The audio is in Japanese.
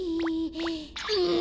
うん！